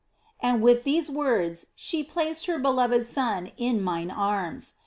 " And with these words she placed her beloved Son in mine arms.